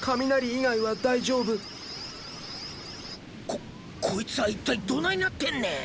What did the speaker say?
ここいつは一体どないなってんねん！